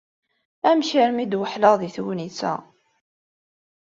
Amek armi i d-weḥleɣ deg tegnit-a?